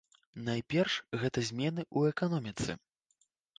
Найперш гэта змены ў эканоміцы.